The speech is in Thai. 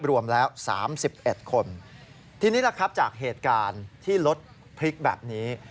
รวมแล้ว๓๑คนทีนี้ล่ะครับจากเหตุการณ์ที่รถพลิกแบบนี้